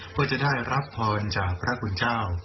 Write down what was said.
เพื่อจะได้รับพรจากพระคุณเจ้า